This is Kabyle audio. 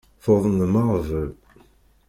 Tuḍnem aɣbel.